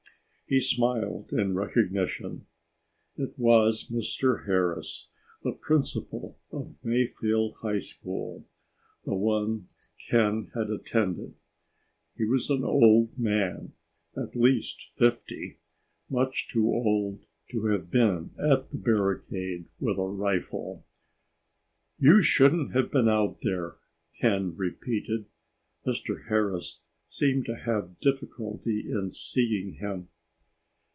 He smiled in recognition. It was Mr. Harris, the principal of Mayfield High School; the one Ken had attended. He was an old man at least fifty much too old to have been at the barricade with a rifle. "You shouldn't have been out there," Ken repeated. Mr. Harris seemed to have difficulty in seeing him.